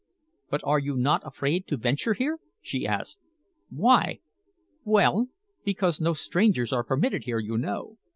"But are you not afraid to venture here?" she asked. "Why?" "Well because no strangers are permitted here, you know.